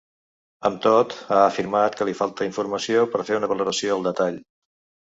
Amb tot, ha afirmat que “li falta informació” per fer una valoració al detall.